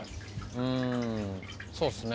うんそうですね。